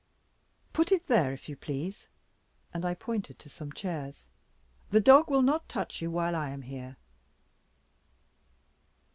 "Put it here if you please," and I pointed to some chairs, "the dog will not touch you while I am here.